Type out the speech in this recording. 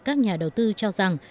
các nhà đầu tư cho rằng